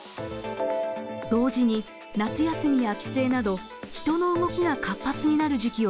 同時に夏休みや帰省など人の動きが活発になる時期を迎えます。